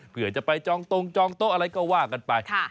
เพื่อจะไปจองตรงจองโต๊ะอะไรก็ว่ากันไป